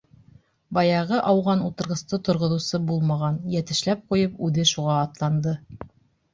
Баяғы ауған ултырғысты торғоҙоусы булмаған, йәтешләп ҡуйып, үҙе шуға атланды.